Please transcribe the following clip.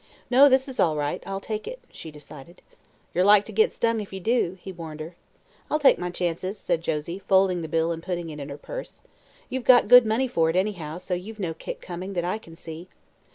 No; this is all right; I'll take it," she decided. "Yer like to git stung, if ye do," he warned her. "I'll take my chances," said Josie, folding the bill and putting it in her purse. "You've got good money for it, anyhow, so you've no kick coming, that I can see."